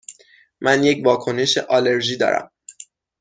من یک واکنش آلرژی دارم.